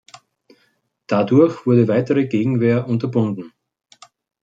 Dadurch wurde weitere Gegenwehr unterbunden.